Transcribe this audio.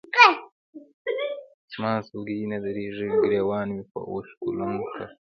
زما سلګۍ نه درېدې، ګرېوان مې به اوښکو لوند کړ.